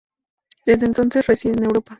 Desde entonces reside en Europa.